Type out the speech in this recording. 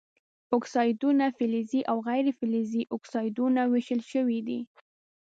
اکسایدونه فلزي او غیر فلزي اکسایدونو ویشل شوي دي.